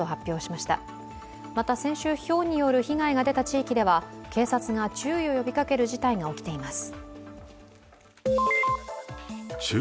また先週、ひょうによる被害が出た地域では警察が注意を呼びかける事態が起きています。